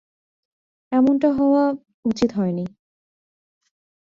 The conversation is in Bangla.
এমনটা হওয়া উচিত হয়নি।